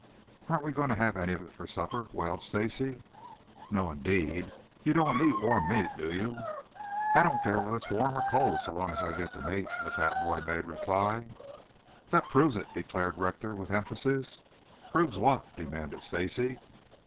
"Aren't we going to have any of it for supper?" wailed Stacy. "No, indeed. You don't want to eat warm meat, do you?" "I don't care whether it is warm or cold so long as I get the meat," the fat boy made reply. "That proves it," declared Rector with emphasis. "Proves what?" demanded Stacy.